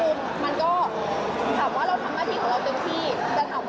รวมถึงให้เทคนิคพวกนี้นั่นไปแล้วก็ส่งไปในโน้ทของไลน์เรียบร้อยแล้ว